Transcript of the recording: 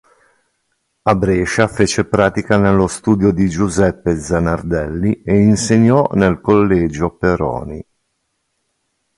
A Brescia fece pratica nello studio di Giuseppe Zanardelli e insegnò nel collegio Peroni.